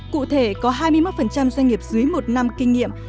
cụ thể có hai mươi một doanh nghiệp dưới một năm kinh nghiệm